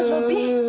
apa bau sobi